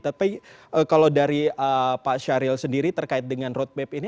tapi kalau dari pak syahril sendiri terkait dengan roadmap ini